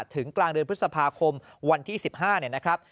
ถึงกลางเดือนพฤษภาคมวันที่๑๕เนี่ยนะครับ